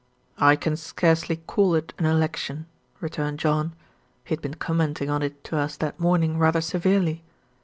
"I can scarcely call it an election," returned John. He had been commenting on it to us that morning rather severely.